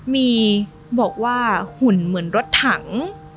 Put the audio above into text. มีบอกว่าหุ่นเหมือนรถถัง